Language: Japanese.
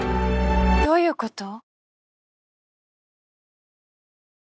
どういうこと？